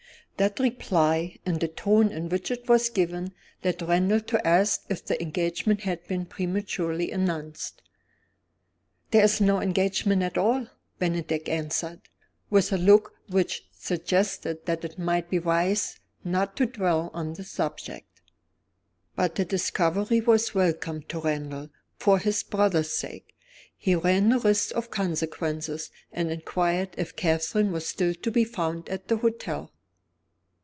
That reply, and the tone in which it was given, led Randal to ask if the engagement had been prematurely announced. "There is no engagement at all," Bennydeck answered, with a look which suggested that it might be wise not to dwell on the subject. But the discovery was welcome to Randal, for his brother's sake. He ran the risk of consequences, and inquired if Catherine was still to be found at the hotel.